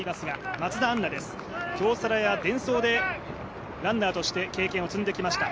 京セラやデンソーでランナーとして経験を積んできました。